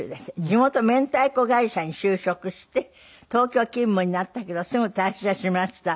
地元めんたいこ会社に就職して東京勤務になったけどすぐ退社しました。